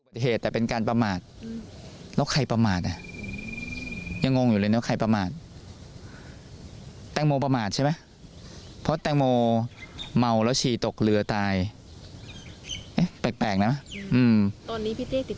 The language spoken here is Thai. แปลกนะตอนนี้พี่เต้ติดใจในเรื่องอะไร